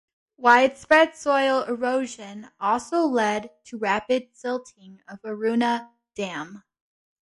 Widespread soil erosion also led to rapid silting of Aroona Dam.